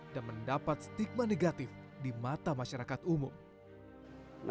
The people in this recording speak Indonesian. dan mendapat stigma negatif di mata orang